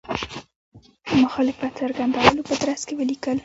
مخالفت څرګندولو په ترڅ کې ولیکل.